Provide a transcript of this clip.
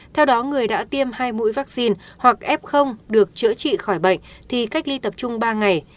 theo đó người đã tiêm hai mũi vaccine hoặc f được chữa trị khỏi bệnh thì cách ly tập trung ba ngày